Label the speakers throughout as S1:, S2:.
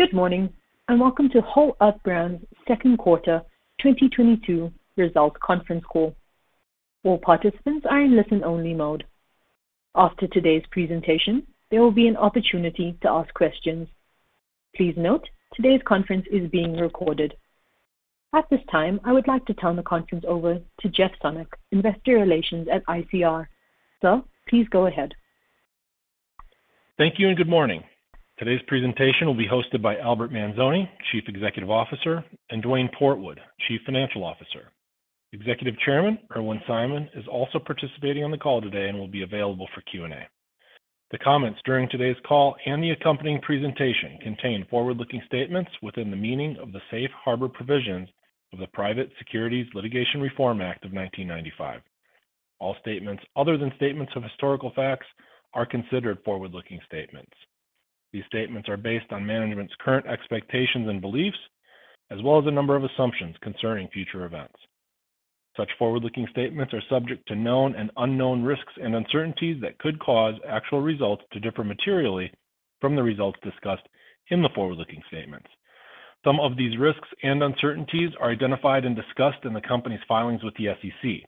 S1: Good morning, and welcome to Whole Earth Brands Second Quarter 2022 Results Conference Call. All participants are in listen-only mode. After today's presentation, there will be an opportunity to ask questions. Please note, today's conference is being recorded. At this time, I would like to turn the conference over to Jeff Sonnek, Investor Relations at ICR. Sir, please go ahead.
S2: Thank you and good morning. Today's presentation will be hosted by Albert Manzone, Chief Executive Officer, and Duane Portwood, Chief Financial Officer. Executive Chairman Irwin Simon is also participating on the call today and will be available for Q&A. The comments during today's call and the accompanying presentation contain forward-looking statements within the meaning of the Safe Harbor provisions of the Private Securities Litigation Reform Act of 1995. All statements other than statements of historical facts are considered forward-looking statements. These statements are based on management's current expectations and beliefs, as well as a number of assumptions concerning future events. Such forward-looking statements are subject to known and unknown risks and uncertainties that could cause actual results to differ materially from the results discussed in the forward-looking statements. Some of these risks and uncertainties are identified and discussed in the company's filings with the SEC.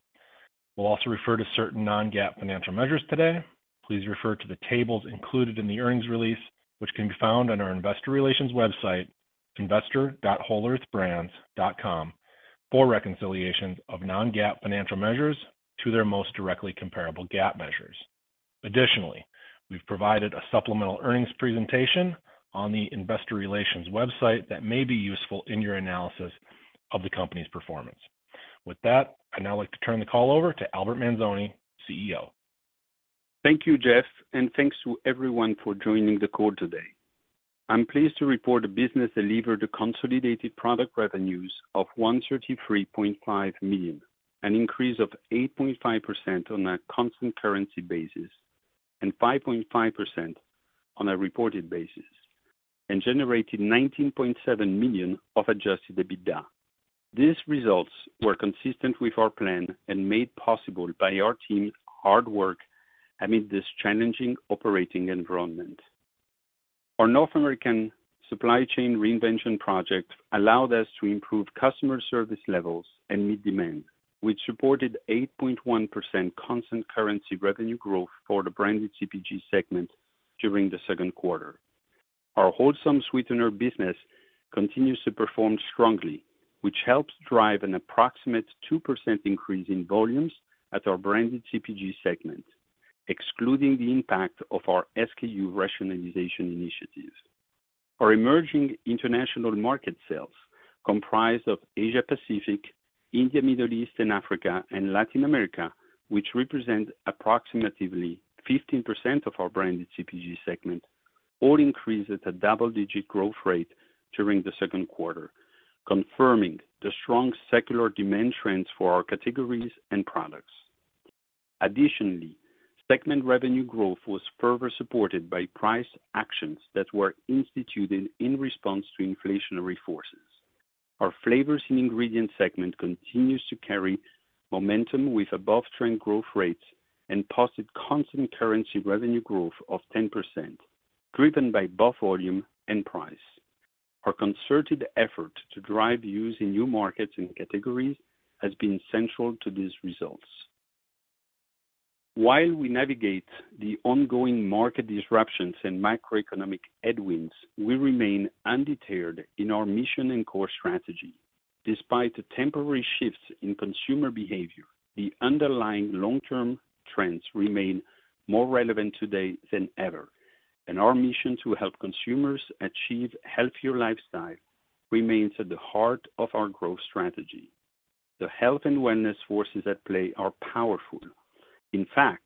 S2: We'll also refer to certain non-GAAP financial measures today. Please refer to the tables included in the earnings release, which can be found on our Investor Relations website, investor.wholeearthbrands.com for reconciliations of non-GAAP financial measures to their most directly comparable GAAP measures. Additionally, we've provided a supplemental earnings presentation on the investor relations website that may be useful in your analysis of the company's performance. With that, I'd now like to turn the call over to Albert Manzone, CEO.
S3: Thank you, Jeff, and thanks to everyone for joining the call today. I'm pleased to report the business delivered consolidated product revenues of $133.5 million, an increase of 8.5% on a constant currency basis and 5.5% on a reported basis, and generated $19.7 million of adjusted EBITDA. These results were consistent with our plan and made possible by our team's hard work amid this challenging operating environment. Our North American Supply Chain Reinvention project allowed us to improve customer service levels and meet demand, which supported 8.1% constant currency revenue growth for the branded CPG segment during the second quarter. Our Wholesome sweetener business continues to perform strongly, which helps drive an approximate 2% increase in volumes at our branded CPG segment, excluding the impact of our SKU rationalization initiatives. Our emerging international market sales comprise of Asia Pacific, India, Middle East and Africa, and Latin America, which represent approximately 15% of our branded CPG segment, all increased at a double-digit growth rate during the second quarter, confirming the strong secular demand trends for our categories and products. Additionally, segment revenue growth was further supported by price actions that were instituted in response to inflationary forces. Our flavors and ingredients segment continues to carry momentum with above-trend growth rates and positive constant currency revenue growth of 10%, driven by both volume and price. Our concerted effort to drive use in new markets and categories has been central to these results. While we navigate the ongoing market disruptions and macroeconomic headwinds, we remain undeterred in our mission and core strategy. Despite the temporary shifts in consumer behavior, the underlying long-term trends remain more relevant today than ever, and our mission to help consumers achieve healthier lifestyle remains at the heart of our growth strategy. The health and wellness forces at play are powerful. In fact,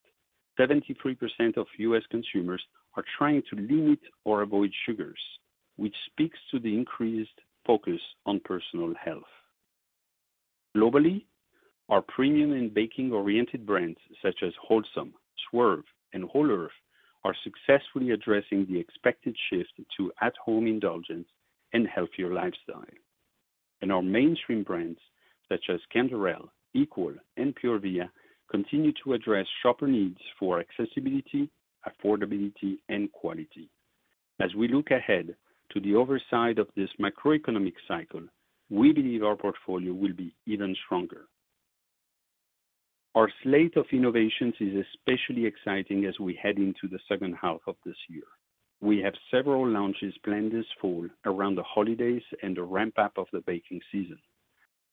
S3: 73% of U.S. consumers are trying to limit or avoid sugars, which speaks to the increased focus on personal health. Globally, our premium and baking-oriented brands such as Wholesome, Swerve, and Whole Earth are successfully addressing the expected shift to at-home indulgence and healthier lifestyle. Our mainstream brands such as Canderel, Equal, and Pure Via continue to address shopper needs for accessibility, affordability, and quality. As we look ahead to the other side of this macroeconomic cycle, we believe our portfolio will be even stronger. Our slate of innovations is especially exciting as we head into the second half of this year. We have several launches planned this fall around the holidays and the ramp-up of the baking season.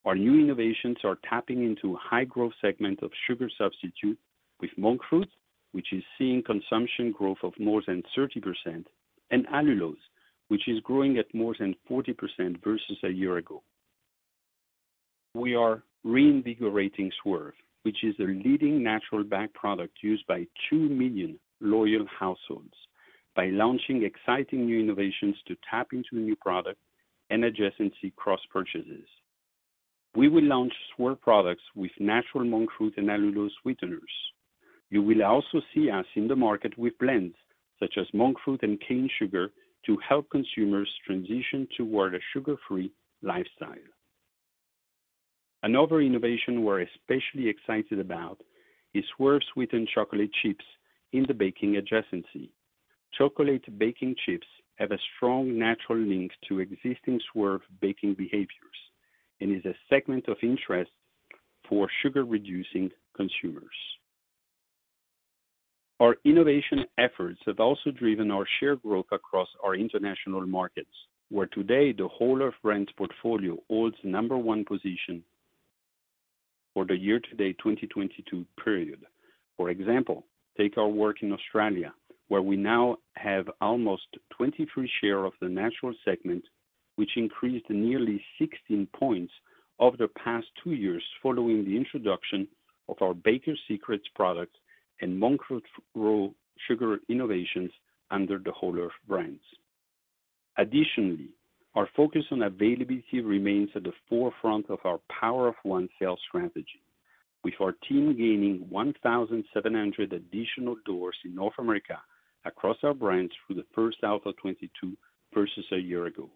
S3: Our new innovations are tapping into a high-growth segment of sugar substitute with monk fruit, which is seeing consumption growth of more than 30%, and allulose, which is growing at more than 40% versus a year ago. We are reinvigorating Swerve, which is a leading natural baking product used by 2 million loyal households by launching exciting new innovations to tap into new product and adjacency cross-purchases. We will launch Swerve products with natural monk fruit and allulose sweeteners. You will also see us in the market with blends such as monk fruit and cane sugar to help consumers transition toward a sugar-free lifestyle. Another innovation we're especially excited about is Swerve No Sugar Added Chocolate Chips in the baking adjacency. Chocolate baking chips have a strong natural link to existing Swerve baking behaviors and is a segment of interest for sugar-reducing consumers. Our innovation efforts have also driven our share growth across our international markets, where today the Whole Earth Brands portfolio holds number one position for the year-to-date 2022 period. For example, take our work in Australia, where we now have almost 23% share of the natural segment, which increased nearly 16 points over the past two years following the introduction of our Baker's Secret products and monk fruit raw sugar innovations under the Whole Earth Brands. Additionally, our focus on availability remains at the forefront of our Power of One sales strategy, with our team gaining 1,700 additional doors in North America across our brands through the first half of 2022 versus a year ago.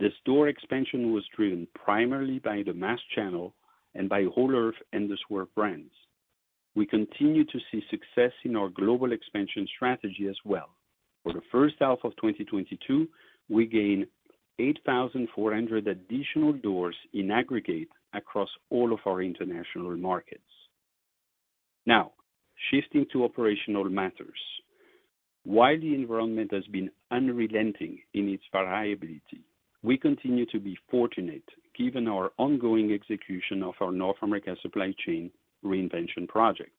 S3: The store expansion was driven primarily by the mass channel and by Whole Earth and the Swerve brands. We continue to see success in our global expansion strategy as well. For the first half of 2022, we gained 8,400 additional doors in aggregate across all of our international markets. Now, shifting to operational matters. While the environment has been unrelenting in its variability, we continue to be fortunate given our ongoing execution of our North American Supply Chain Reinvention project.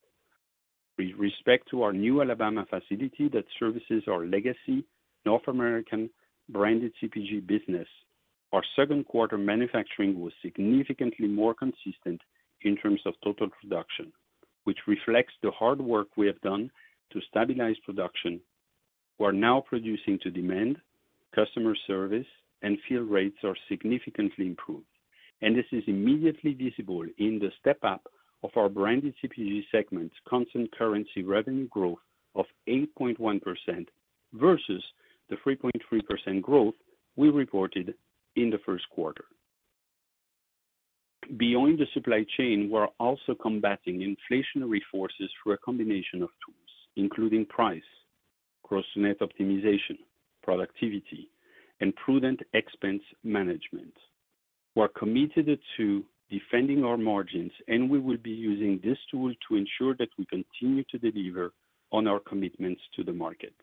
S3: With respect to our new Alabama facility that services our legacy North American branded CPG business, our second quarter manufacturing was significantly more consistent in terms of total production, which reflects the hard work we have done to stabilize production. We're now producing to demand, customer service, and fill rates are significantly improved, and this is immediately visible in the step-up of our branded CPG segment's constant currency revenue growth of 8.1% versus the 3.3% growth we reported in the first quarter. Beyond the supply chain, we're also combating inflationary forces through a combination of tools, including price, gross-to-net optimization, productivity, and prudent expense management. We're committed to defending our margins, and we will be using this tool to ensure that we continue to deliver on our commitments to the market.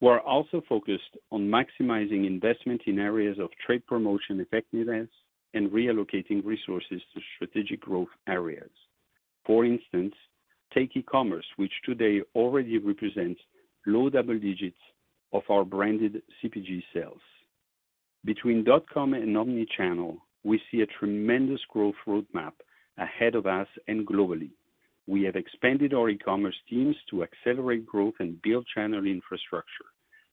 S3: We're also focused on maximizing investment in areas of trade promotion effectiveness and reallocating resources to strategic growth areas. For instance, take e-commerce, which today already represents low double digits of our branded CPG sales. Between dot-com and omni-channel, we see a tremendous growth roadmap ahead of us and globally. We have expanded our e-commerce teams to accelerate growth and build channel infrastructure.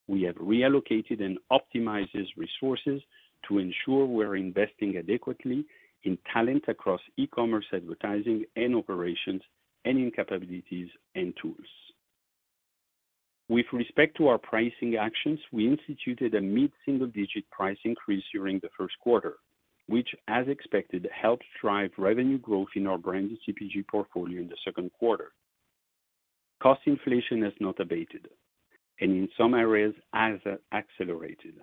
S3: We have reallocated and optimized resources to ensure we're investing adequately in talent across e-commerce, advertising, and operations, and in capabilities and tools. With respect to our pricing actions, we instituted a mid-single-digit price increase during the first quarter, which, as expected, helped drive revenue growth in our branded CPG portfolio in the second quarter. Cost inflation has not abated, and in some areas has accelerated.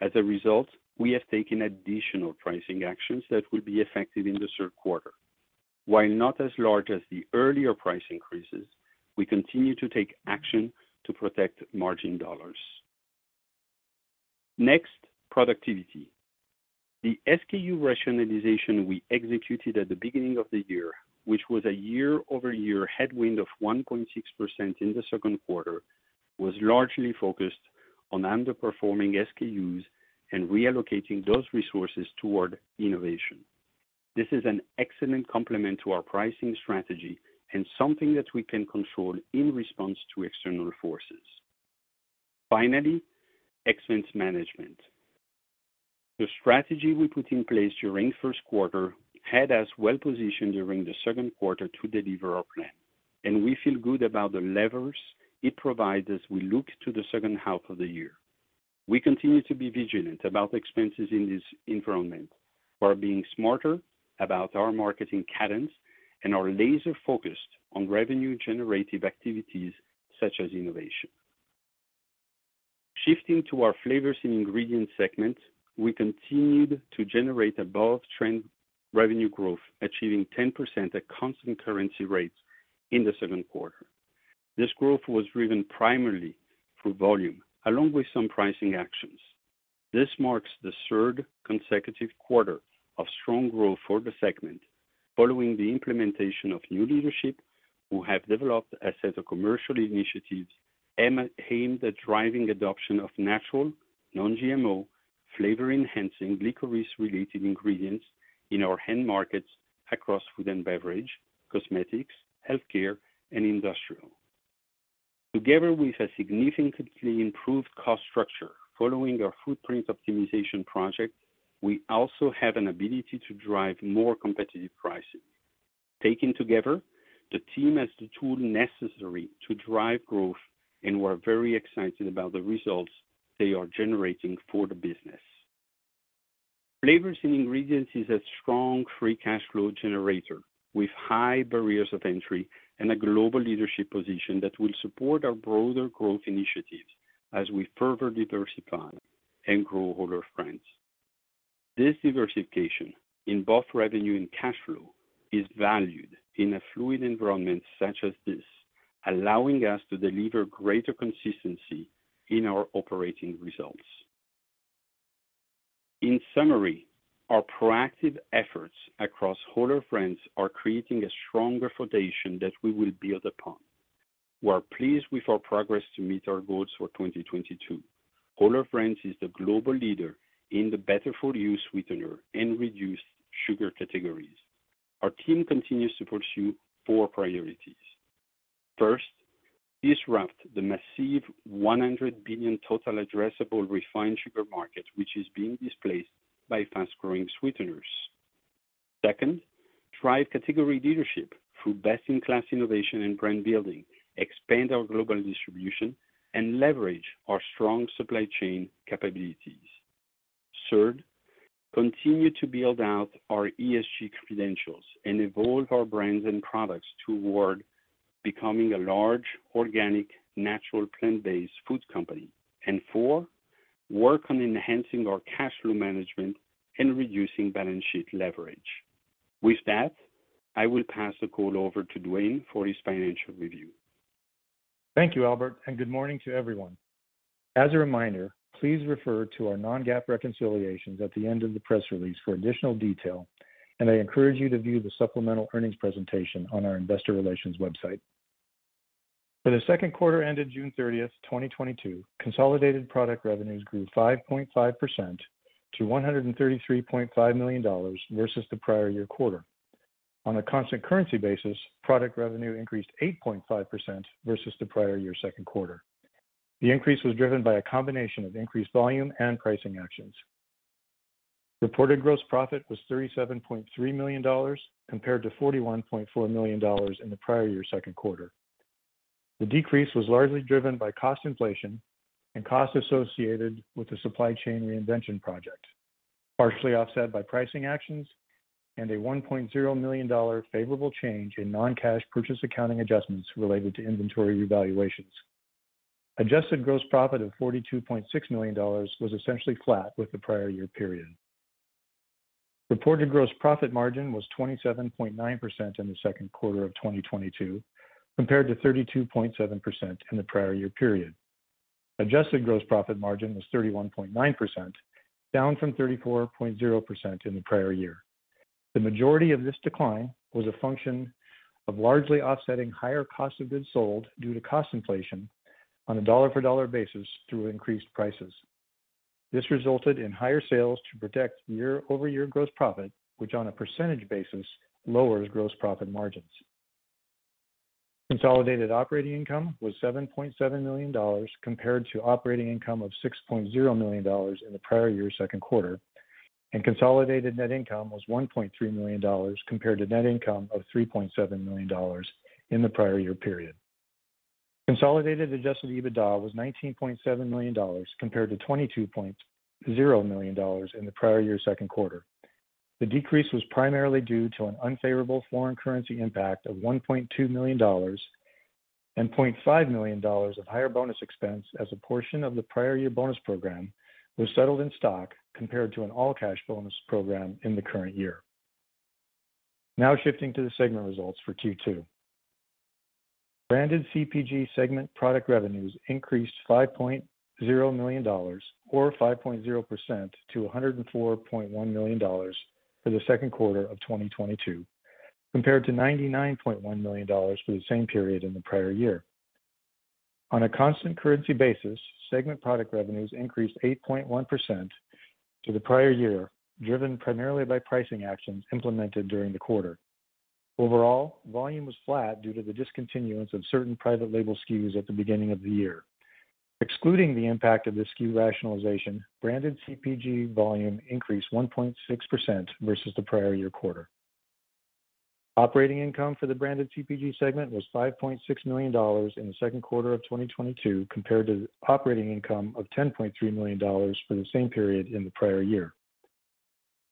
S3: As a result, we have taken additional pricing actions that will be effective in the third quarter. While not as large as the earlier price increases, we continue to take action to protect margin dollars. Next, productivity. The SKU rationalization we executed at the beginning of the year, which was a year-over-year headwind of 1.6% in the second quarter, was largely focused on underperforming SKUs and reallocating those resources toward innovation. This is an excellent complement to our pricing strategy and something that we can control in response to external forces. Finally, expense management. The strategy we put in place during first quarter had us well-positioned during the second quarter to deliver our plan, and we feel good about the levers it provides as we look to the second half of the year. We continue to be vigilant about expenses in this environment. We're being smarter about our marketing cadence and are laser-focused on revenue-generative activities such as innovation. Shifting to our flavors and ingredients segment, we continued to generate above-trend revenue growth, achieving 10% at constant currency rates in the second quarter. This growth was driven primarily through volume, along with some pricing actions. This marks the third consecutive quarter of strong growth for the segment following the implementation of new leadership who have developed a set of commercial initiatives aimed at driving adoption of natural, non-GMO, flavor-enhancing licorice-related ingredients in our end markets across food and beverage, cosmetics, healthcare, and industrial. Together with a significantly improved cost structure following our footprint optimization project, we also have an ability to drive more competitive pricing. Taken together, the team has the tool necessary to drive growth, and we're very excited about the results they are generating for the business. Flavors and ingredients is a strong Free Cash Flow generator with high barriers of entry and a global leadership position that will support our broader growth initiatives as we further diversify and grow Holger Franz. This diversification in both revenue and cash flow is valued in a fluid environment such as this, allowing us to deliver greater consistency in our operating results. In summary, our proactive efforts across Whole Earth Brands are creating a stronger foundation that we will build upon. We are pleased with our progress to meet our goals for 2022. Whole Earth Brands is the global leader in the better-for-you sweetener and reduced sugar categories. Our team continues to pursue four priorities. First, disrupt the massive $100 billion total addressable refined sugar market, which is being displaced by fast-growing sweeteners. Second, drive category leadership through best-in-class innovation and brand building, expand our global distribution, and leverage our strong supply chain capabilities. Third, continue to build out our ESG credentials and evolve our brands and products toward becoming a large organic natural plant-based food company. Four, work on enhancing our cash flow management and reducing balance sheet leverage. With that, I will pass the call over to Duane for his financial review.
S4: Thank you, Albert, and good morning to everyone. As a reminder, please refer to our non-GAAP reconciliations at the end of the press release for additional detail, and I encourage you to view the supplemental earnings presentation on our investor relations website. For the second quarter ended June 30, 2022, consolidated product revenues grew 5.5% to $133.5 million versus the prior year quarter. On a constant currency basis, product revenue increased 8.5% versus the prior year second quarter. The increase was driven by a combination of increased volume and pricing actions. Reported gross profit was $37.3 million compared to $41.4 million in the prior year second quarter. The decrease was largely driven by cost inflation and costs associated with the Supply Chain Reinvention project, partially offset by pricing actions and a $1.0 million favorable change in non-cash purchase accounting adjustments related to inventory revaluations. Adjusted gross profit of $42.6 million was essentially flat with the prior year period. Reported gross profit margin was 27.9% in the second quarter of 2022 compared to 32.7% in the prior year period. Adjusted gross profit margin was 31.9%, down from 34.0% in the prior year. The majority of this decline was a function of largely offsetting higher cost of goods sold due to cost inflation on a dollar-for-dollar basis through increased prices. This resulted in higher sales to protect year-over-year gross profit, which on a percentage basis lowers gross profit margins. Consolidated operating income was $7.7 million compared to operating income of $6.0 million in the prior year second quarter, and consolidated net income was $1.3 million compared to net income of $3.7 million in the prior year period. Consolidated adjusted EBITDA was $19.7 million compared to $22.0 million in the prior year second quarter. The decrease was primarily due to an unfavorable foreign currency impact of $1.2 million and $0.5 million of higher bonus expense as a portion of the prior year bonus program was settled in stock compared to an all-cash bonus program in the current year. Now shifting to the segment results for Q2. Branded CPG segment product revenues increased $5.0 million or 5.0% to $104.1 million for the second quarter of 2022 compared to $99.1 million for the same period in the prior year. On a constant currency basis, segment product revenues increased 8.1% to the prior year, driven primarily by pricing actions implemented during the quarter. Overall, volume was flat due to the discontinuance of certain private label SKUs at the beginning of the year. Excluding the impact of the SKU rationalization, branded CPG volume increased 1.6% versus the prior year quarter. Operating income for the branded CPG segment was $5.6 million in the second quarter of 2022 compared to operating income of $10.3 million for the same period in the prior year.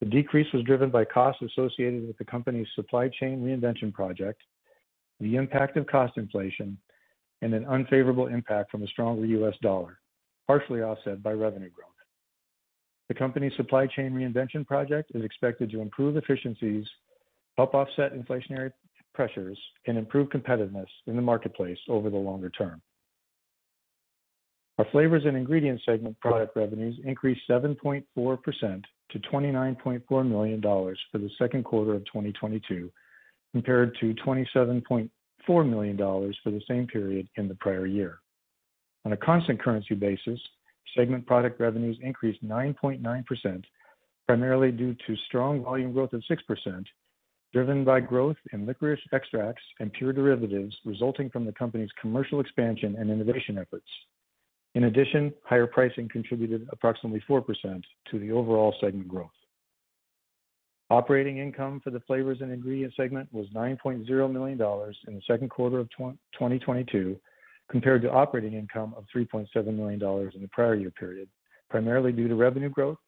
S4: The decrease was driven by costs associated with the company's Supply Chain Reinvention project, the impact of cost inflation, and an unfavorable impact from a stronger U.S. dollar, partially offset by revenue growth. The company's Supply Chain Reinvention project is expected to improve efficiencies, help offset inflationary pressures, and improve competitiveness in the marketplace over the longer term. Our flavors and ingredients segment product revenues increased 7.4% to $29.4 million for the second quarter of 2022 compared to $27.4 million for the same period in the prior year. On a constant currency basis, segment product revenues increased 9.9%, primarily due to strong volume growth of 6%, driven by growth in licorice extracts and pure derivatives resulting from the company's commercial expansion and innovation efforts. In addition, higher pricing contributed approximately 4% to the overall segment growth. Operating income for the flavors and ingredients segment was $9.0 million in the second quarter of 2022, compared to operating income of $3.7 million in the prior year period, primarily due to revenue growth,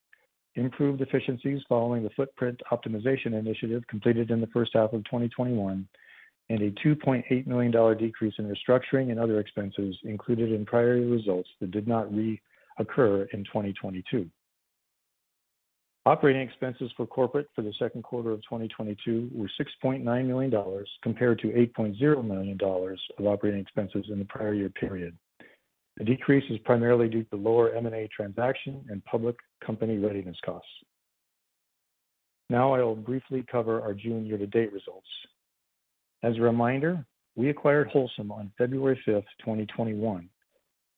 S4: improved efficiencies following the footprint optimization initiative completed in the first half of 2021, and a $2.8 million decrease in restructuring and other expenses included in prior results that did not reoccur in 2022. Operating expenses for corporate for the second quarter of 2022 were $6.9 million compared to $8.0 million of operating expenses in the prior year period. The decrease is primarily due to lower M&A transaction and public company readiness costs. Now I will briefly cover our June year-to-date results. As a reminder, we acquired Wholesome on February 5, 2021.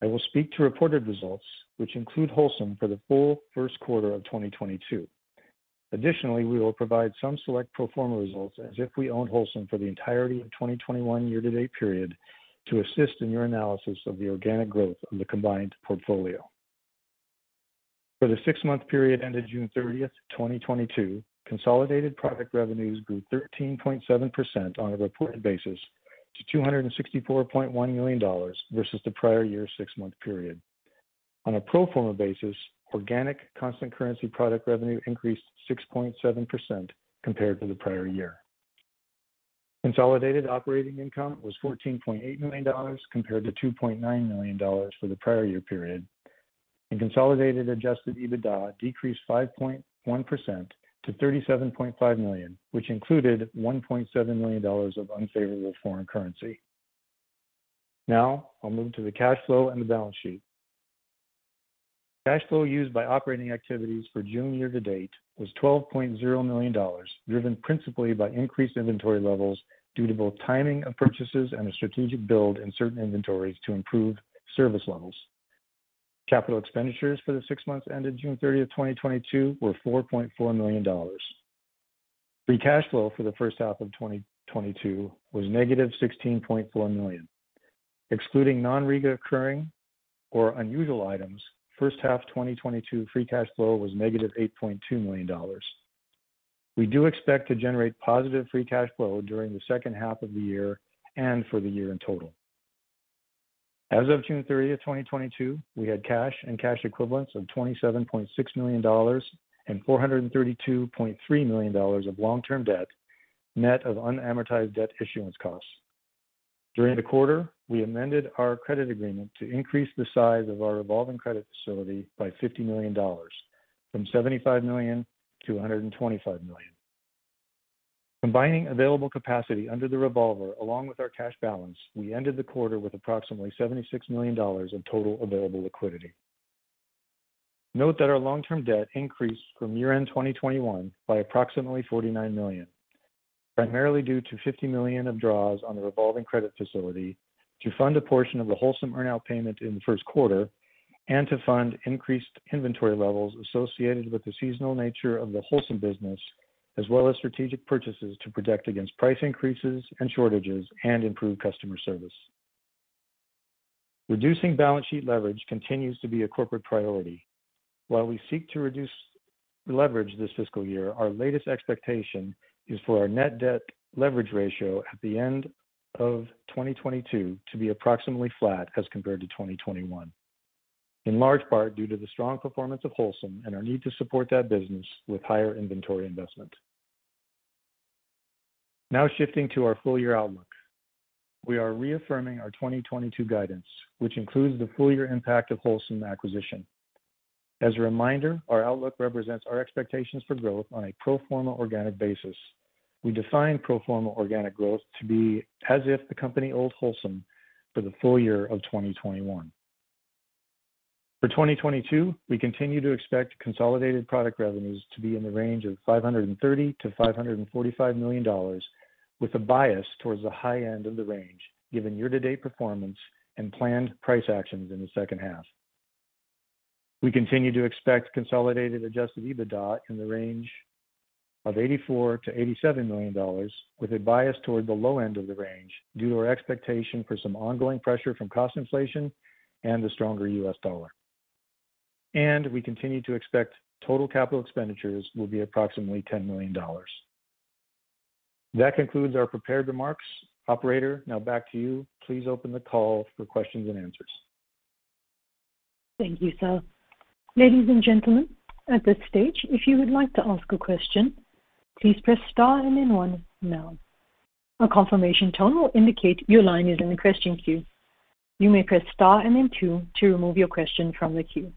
S4: I will speak to reported results which include Wholesome for the full first quarter of 2022. Additionally, we will provide some select pro forma results as if we owned Wholesome for the entirety of 2021 year-to-date period to assist in your analysis of the organic growth of the combined portfolio. For the six-month period ended June 30, 2022, consolidated product revenues grew 13.7% on a reported basis to $264.1 million versus the prior year six-month period. On a pro forma basis, organic constant currency product revenue increased 6.7% compared to the prior year. Consolidated operating income was $14.8 million compared to $2.9 million for the prior year period. Consolidated adjusted EBITDA decreased 5.1% to $37.5 million, which included $1.7 million of unfavorable foreign currency. Now I'll move to the cash flow and the balance sheet. Cash flow used by operating activities for year to date as of June was $12.0 million, driven principally by increased inventory levels due to both timing of purchases and a strategic build in certain inventories to improve service levels. Capital expenditures for the six months ended June 30, 2022 were $4.4 million. Free Cash Flow for the first half of 2022 was -$16.4 million. Excluding non-recurring or unusual items, first half 2022 Free Cash Flow was -$8.2 million. We do expect to generate positive free cash flow during the second half of the year and for the year in total. As of June 30, 2022, we had cash and cash equivalents of $27.6 million and $432.3 million of long-term debt, net of unamortized debt issuance costs. During the quarter, we amended our credit agreement to increase the size of our revolving credit facility by $50 million from $75 million to $125 million. Combining available capacity under the revolver along with our cash balance, we ended the quarter with approximately $76 million of total available liquidity. Note that our long-term debt increased from year-end 2021 by approximately $49 million, primarily due to $50 million of draws on the revolving credit facility to fund a portion of the Wholesome earnout payment in the first quarter and to fund increased inventory levels associated with the seasonal nature of the Wholesome business, as well as strategic purchases to protect against price increases and shortages and improve customer service. Reducing balance sheet leverage continues to be a corporate priority. While we seek to reduce leverage this fiscal year, our latest expectation is for our net debt leverage ratio at the end of 2022 to be approximately flat as compared to 2021. In large part due to the strong performance of Wholesome and our need to support that business with higher inventory investment. Now shifting to our full-year outlook. We are reaffirming our 2022 guidance, which includes the full year impact of Wholesome acquisition. As a reminder, our outlook represents our expectations for growth on a pro forma organic basis. We define pro forma organic growth to be as if the company owned Wholesome for the full year of 2021. For 2022, we continue to expect consolidated product revenues to be in the range of $530 million-$545 million, with a bias towards the high end of the range given year-to-date performance and planned price actions in the second half. We continue to expect consolidated adjusted EBITDA in the range of $84 million-$87 million, with a bias toward the low end of the range due to our expectation for some ongoing pressure from cost inflation and the stronger U.S. dollar. We continue to expect total capital expenditures will be approximately $10 million. That concludes our prepared remarks. Operator, now back to you. Please open the call for questions and answers.
S1: Thank you, Duane. Ladies and gentlemen, at this stage, if you would like to ask a question, please press star and then one now. A confirmation tone will indicate your line is in the question queue. You may press star and then two to remove your question from the queue.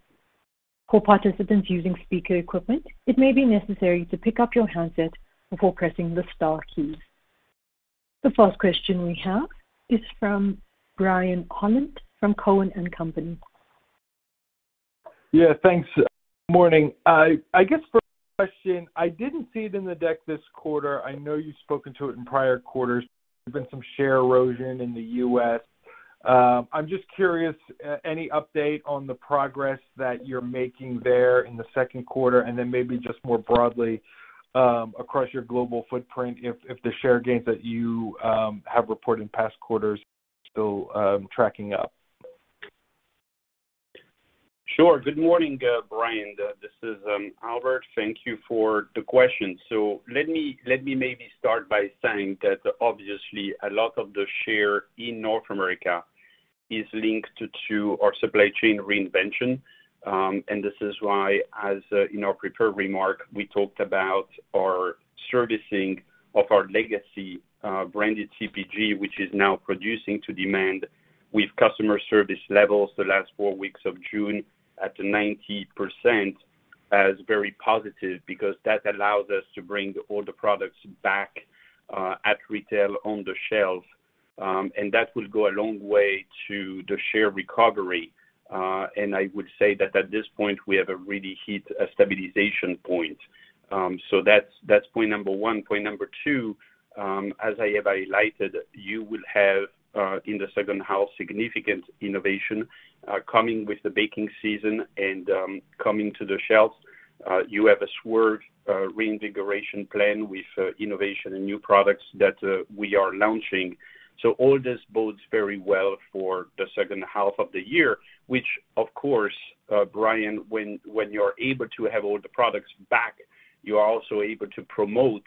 S1: For participants using speaker equipment, it may be necessary to pick up your handset before pressing the star keys. The first question we have is from Brian Holland from Cowen and Company.
S5: Yeah. Thanks. Morning. I guess first question. I didn't see it in the deck this quarter. I know you've spoken to it in prior quarters. There's been some share erosion in the U.S. I'm just curious, any update on the progress that you're making there in the second quarter, and then maybe just more broadly, across your global footprint if the share gains that you have reported in past quarters are still tracking up?
S3: Sure. Good morning, Brian. This is Albert. Thank you for the question. Let me maybe start by saying that obviously a lot of the share in North America is linked to our Supply Chain Reinvention. This is why as in our prepared remark, we talked about our servicing of our legacy branded CPG, which is now producing to demand with customer service levels the last four weeks of June at 90% as very positive because that allows us to bring all the products back at retail on the shelf. That will go a long way to the share recovery. I would say that at this point, we have really hit a stabilization point. That's point number one. Point number two, as I have highlighted, you will have in the second half significant innovation coming with the baking season and coming to the shelves. You have a Swerve reinvigoration plan with innovation and new products that we are launching. So all this bodes very well for the second half of the year, which of course, Brian, when you're able to have all the products back, you are also able to promote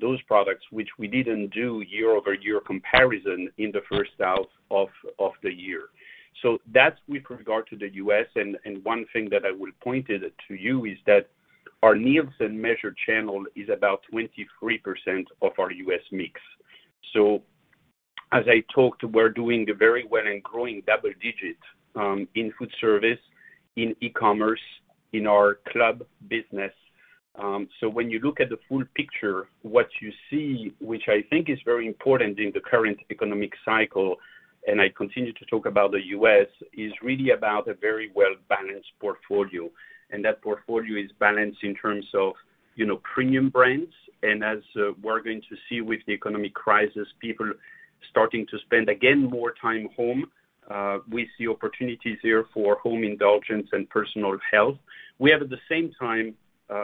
S3: those products, which we didn't do year-over-year comparison in the first half of the year. So that's with regard to the U.S. One thing that I would point it to you is that our Nielsen measured channel is about 23% of our U.S. mix. As I talked, we're doing very well and growing double digits in food service, in e-commerce, in our club business. When you look at the full picture, what you see, which I think is very important in the current economic cycle, and I continue to talk about the U.S., is really about a very well-balanced portfolio. That portfolio is balanced in terms of, you know, premium brands. As we're going to see with the economic crisis, people starting to spend again more time home, we see opportunities here for home indulgence and personal health. We have at the same time,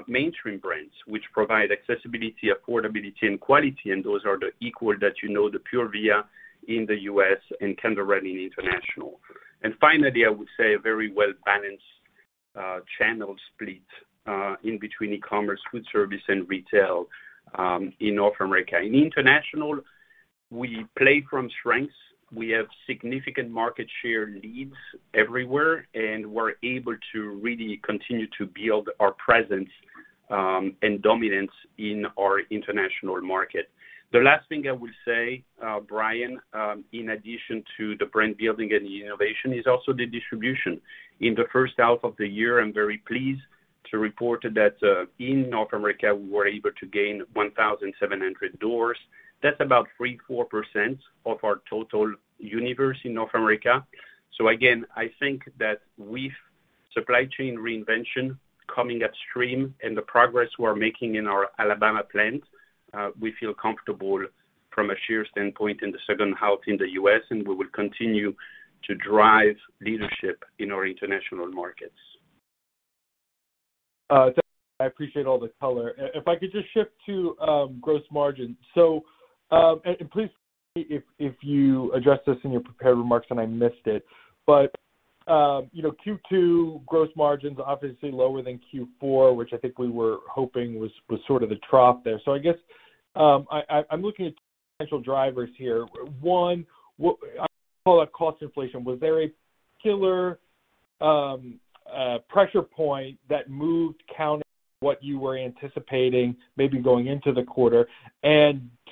S3: mainstream brands, which provide accessibility, affordability, and quality, and those are the Equal that you know, the Pure Via in the U.S. and Canderel in international. Finally, I would say a very well-balanced channel split in between e-commerce, food service and retail in North America. In international, we play from strengths. We have significant market share leads everywhere, and we're able to really continue to build our presence and dominance in our international market. The last thing I will say, Brian, in addition to the brand building and the innovation is also the distribution. In the first half of the year, I'm very pleased to report that in North America, we were able to gain 1,700 doors. That's about 3-4% of our total universe in North America. Again, I think that with Supply Chain Reinvention coming upstream and the progress we're making in our Alabama plant, we feel comfortable from a share standpoint in the second half in the U.S., and we will continue to drive leadership in our international markets.
S5: Thank you. I appreciate all the color. If I could just shift to gross margin. Please, if you addressed this in your prepared remarks and I missed it, but you know, Q2 gross margins obviously lower than Q4, which I think we were hoping was sort of the trough there. I guess I'm looking at potential drivers here. One, I call it cost inflation. Was there a particular pressure point that moved counter what you were anticipating maybe going into the quarter?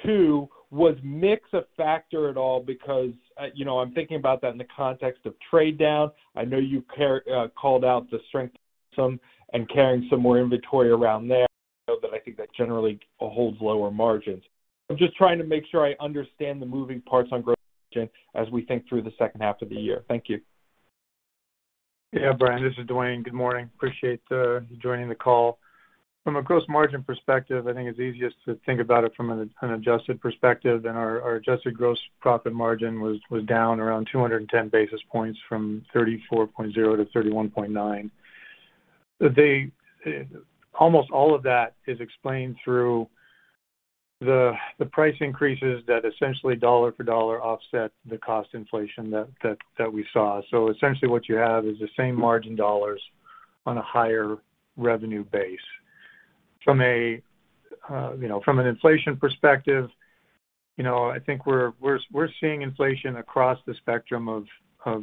S5: Two, was mix a factor at all? Because you know, I'm thinking about that in the context of trade down. I know you called out the strength and carrying some more inventory around there, but I think that generally holds lower margins. I'm just trying to make sure I understand the moving parts on growth margin as we think through the second half of the year. Thank you.
S4: Yeah, Brian, this is Duane. Good morning. Appreciate joining the call. From a gross margin perspective, I think it's easiest to think about it from an adjusted perspective, and our adjusted gross profit margin was down around 210 basis points from 34.0% to 31.9%. Almost all of that is explained through the price increases that essentially dollar for dollar offset the cost inflation that we saw. So essentially what you have is the same margin dollars on a higher revenue base. From an inflation perspective, you know, I think we're seeing inflation across the spectrum of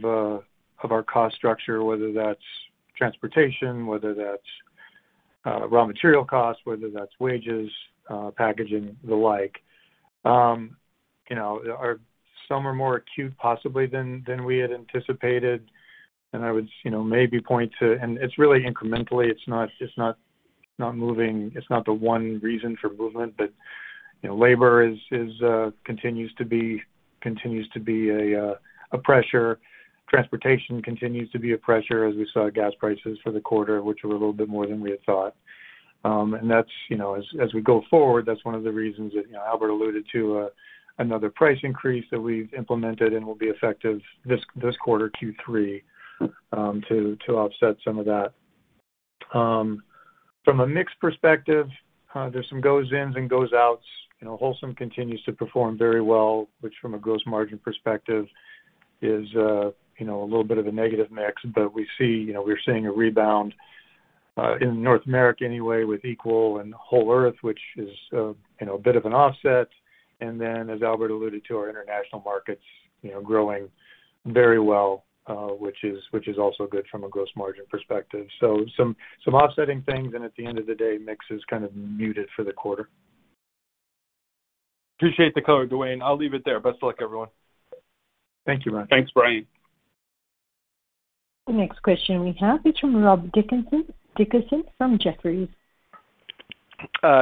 S4: our cost structure, whether that's transportation, whether that's raw material costs, whether that's wages, packaging, the like. You know, some are more acute possibly than we had anticipated. I would, you know, maybe point to. It's really incrementally. It's not moving. It's not the one reason for movement. You know, labor continues to be a pressure. Transportation continues to be a pressure as we saw gas prices for the quarter, which were a little bit more than we had thought. That's, you know, as we go forward, one of the reasons that Albert alluded to, another price increase that we've implemented and will be effective this quarter, Q3, to offset some of that. From a mix perspective, there's some goings-in and goings-out. You know, Wholesome continues to perform very well, which from a gross margin perspective is, you know, a little bit of a negative mix. But we see, you know, we're seeing a rebound in North America anyway with Equal and Whole Earth, which is, you know, a bit of an offset. And then as Albert alluded to our international markets, you know, growing very well, which is also good from a gross margin perspective. So some offsetting things, and at the end of the day, mix is kind of muted for the quarter.
S5: Appreciate the color, Duane. I'll leave it there. Best of luck, everyone.
S4: Thank you, Brian.
S3: Thanks, Brian.
S1: The next question we have is from Rob Dickerson from Jefferies.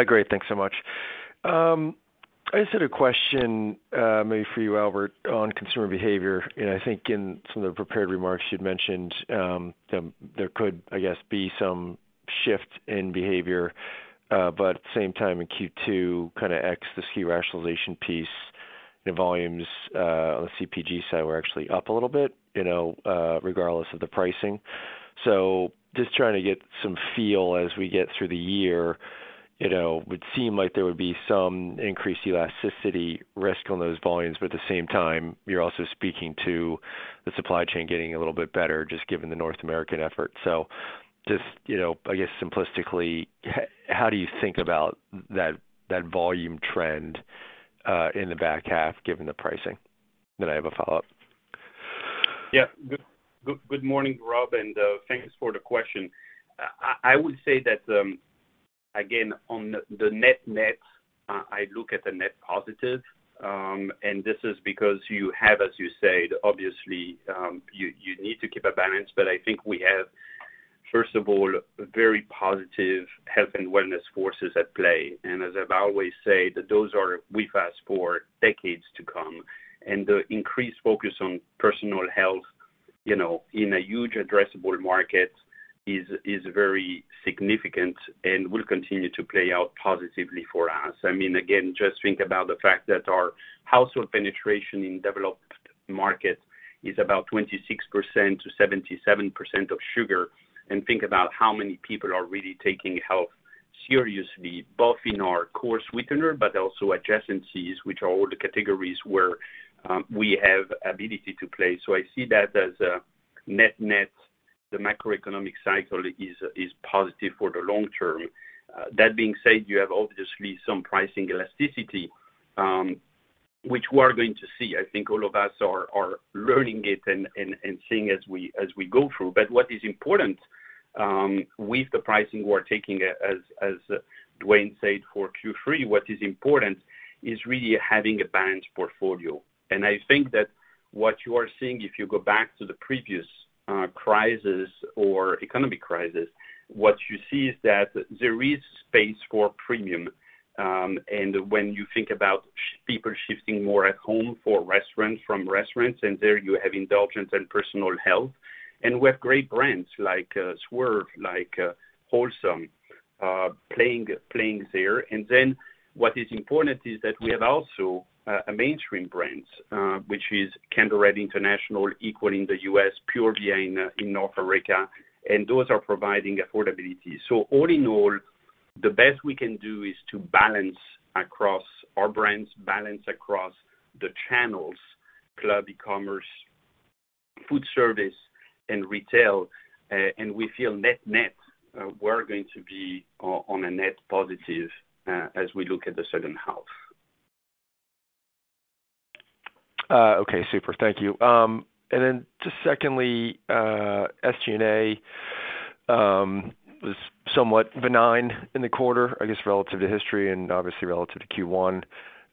S6: Great, thanks so much. I just had a question, maybe for you, Albert, on consumer behavior. I think in some of the prepared remarks you'd mentioned there could, I guess, be some shift in behavior. At the same time in Q2, ex the SKU rationalization piece, the volumes on the CPG side were actually up a little bit, you know, regardless of the pricing. Just trying to get some feel as we get through the year, you know, would seem like there would be some increased elasticity risk on those volumes. At the same time, you're also speaking to the supply chain getting a little bit better just given the North American effort. Just, you know, I guess simplistically, how do you think about that volume trend in the back half given the pricing? I have a follow-up.
S3: Good morning, Rob, and thanks for the question. I would say that again, on the net-net, I look at the net positive. This is because you have, as you said, obviously, you need to keep a balance, but I think we have, first of all, very positive health and wellness forces at play. As I've always say, that those are with us for decades to come. The increased focus on personal health, you know, in a huge addressable market is very significant and will continue to play out positively for us. I mean, again, just think about the fact that our household penetration in developed market is about 26% to 77% of sugar, and think about how many people are really taking health seriously, both in our core sweetener, but also adjacencies, which are all the categories where we have ability to play. I see that as a net-net, the macroeconomic cycle is positive for the long term. That being said, you have obviously some pricing elasticity, which we are going to see. I think all of us are learning it and seeing as we go through. What is important, with the pricing we're taking as Duane said, for Q3, what is important is really having a balanced portfolio. I think that what you are seeing if you go back to the previous crisis or economic crisis, what you see is that there is space for premium. When you think about people shifting more at home from restaurants, and there you have indulgence and personal health. We have great brands like Swerve, like Wholesome, playing there. What is important is that we have also a mainstream brands, which is Canderel International, Equal in the U.S., Pure Via in North America, and those are providing affordability. All in all, the best we can do is to balance across our brands, balance across the channels, club, e-commerce, food service, and retail. We feel net-net, we're going to be on a net positive, as we look at the second half.
S6: Okay, super. Thank you. Just secondly, SG&A was somewhat benign in the quarter, I guess, relative to history and obviously relative to Q1.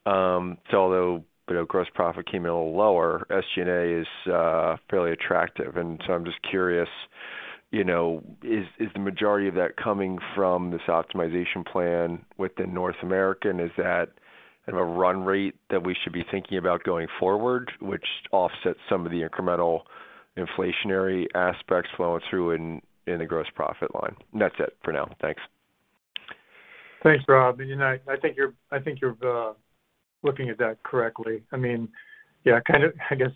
S6: Although, you know, gross profit came in a little lower, SG&A is fairly attractive. I'm just curious, you know, is the majority of that coming from this optimization plan within North America? And is that kind of a run rate that we should be thinking about going forward, which offsets some of the incremental inflationary aspects flowing through in the gross profit line? That's it for now. Thanks.
S4: Thanks, Rob. You know, I think you're looking at that correctly. I mean, yeah, kind of, I guess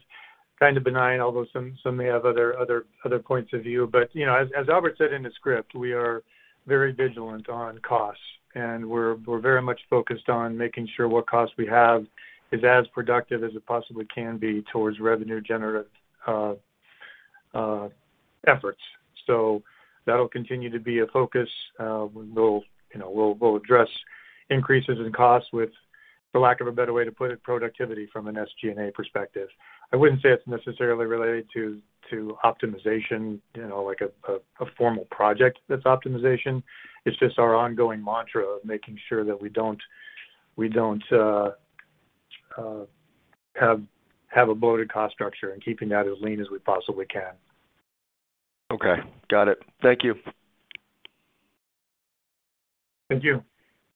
S4: kind of benign, although some may have other points of view. You know, as Albert said in the script, we are very vigilant on costs, and we're very much focused on making sure what costs we have is as productive as it possibly can be towards revenue generative efforts. That'll continue to be a focus. We'll, you know, address increases in costs with, for lack of a better way to put it, productivity from an SG&A perspective. I wouldn't say it's necessarily related to optimization, you know, like a formal project that's optimization. It's just our ongoing mantra of making sure that we don't have a bloated cost structure and keeping that as lean as we possibly can.
S6: Okay. Got it. Thank you.
S4: Thank you.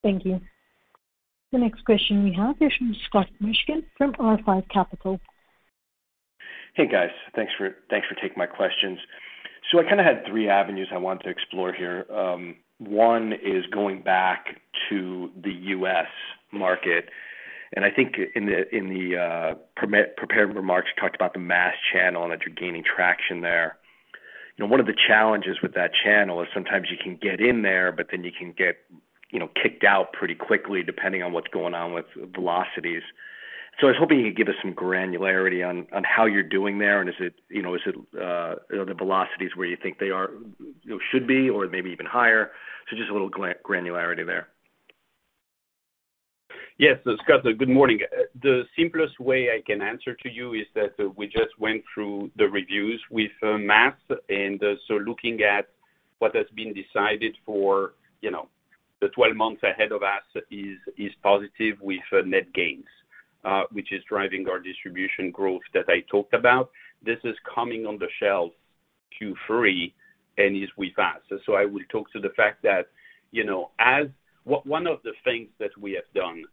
S1: Thank you. The next question we have is from Scott Mushkin from R5 Capital.
S7: Hey, guys. Thanks for taking my questions. I kinda had three avenues I want to explore here. One is going back to the US market. I think in the prepared remarks, you talked about the mass channel and that you're gaining traction there. You know, one of the challenges with that channel is sometimes you can get in there, but then you can get, you know, kicked out pretty quickly depending on what's going on with velocities. I was hoping you could give us some granularity on how you're doing there, and is it, you know, the velocities where you think they are, you know, should be or maybe even higher? Just a little granularity there.
S3: Yes. Scott, good morning. The simplest way I can answer to you is that we just went through the reviews with Mass, and looking at what has been decided for, you know, the 12 months ahead of us is positive with net gains, which is driving our distribution growth that I talked about. This is coming on the shelves Q3 and is with us. I will talk to the fact that, you know, as one of the things that we have done,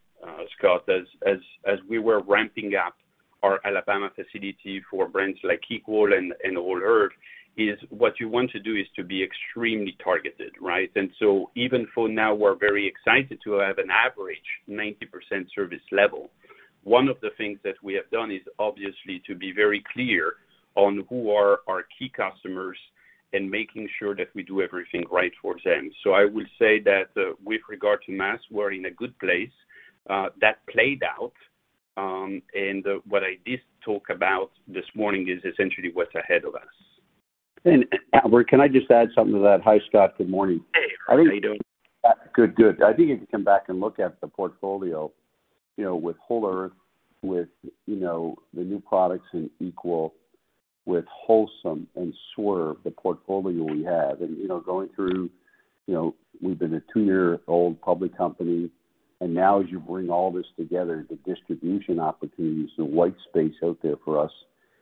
S3: Scott, as we were ramping up our Alabama facility for brands like Equal and Whole Earth is what you want to do is to be extremely targeted, right? Even for now, we're very excited to have an average 90% service level. One of the things that we have done is obviously to be very clear on who are our key customers and making sure that we do everything right for them. I will say that, with regard to mass, we're in a good place, that played out. What I did talk about this morning is essentially what's ahead of us.
S8: Albert, can I just add something to that? Hi, Scott. Good morning.
S7: Hey, Irwin. How you doing?
S8: Good, good. I think if you come back and look at the portfolio, you know, with Whole Earth, with, you know, the new products in Equal, with Wholesome and Swerve, the portfolio we have, and, you know, going through, you know, we've been a two-year-old public company, and now as you bring all this together, the distribution opportunities, the white space out there for us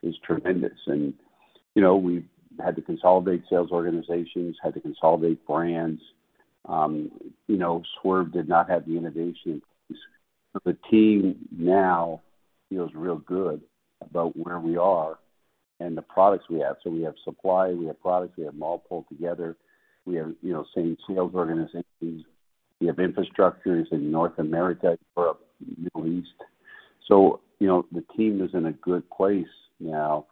S8: is tremendous. You know, we've had to consolidate sales organizations, had to consolidate brands. You know, Swerve did not have the innovation. The team now feels real good about where we are and the products we have. We have supply, we have products, we have them all pulled together. We have, you know, same sales organizations. We have infrastructures in North America, Europe, Middle East. you know, the team is in a good place now